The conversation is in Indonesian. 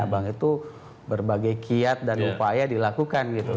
abang itu berbagai kiat dan upaya dilakukan gitu